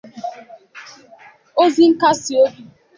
ozi nkasi obi